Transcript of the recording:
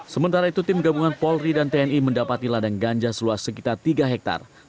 sementara itu tim gabungan polri dan tni mendapati ladang ganja seluas sekitar tiga hektare